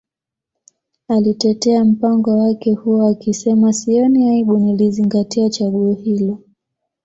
Alitetea mpango wake huo akisema Sioni aibu nilizingatia chaguo hilo